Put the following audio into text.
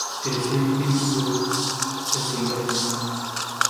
Creció en Pittsburgh, Pensilvania.